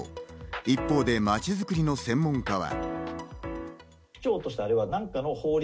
一方で、まちづくりの専門家は。